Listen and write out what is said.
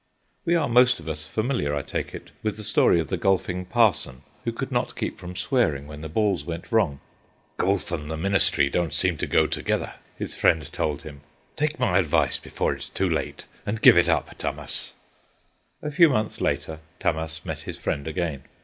We are most of us familiar, I take it, with the story of the golfing parson, who could not keep from swearing when the balls went wrong. "Golf and the ministry don't seem to go together," his friend told him. "Take my advice before it's too late, and give it up, Tammas." A few months later Tammas met his friend again.